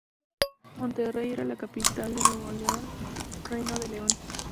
Monterrey era la capital del Nuevo Reino de León.